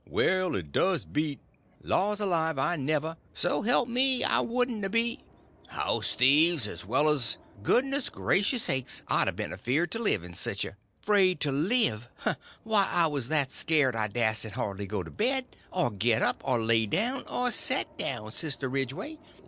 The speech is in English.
"Well, it does beat—" "Laws alive, I never—" "So help me, I wouldn't a be—" "House thieves as well as—" "Goodnessgracioussakes, I'd a ben afeard to live in sich a—" "'Fraid to live!—why, I was that scared I dasn't hardly go to bed, or get up, or lay down, or set down, Sister Ridgeway.